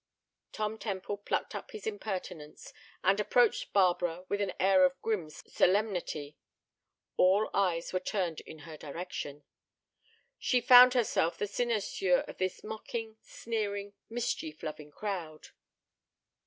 Tom Temple plucked up his impertinence, and approached Barbara with an air of grim solemnity. All eyes were turned in her direction. She found herself the cynosure of this mocking, sneering, mischief loving crowd.